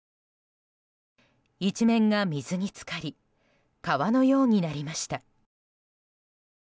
一面が水に浸かり川のようになりました。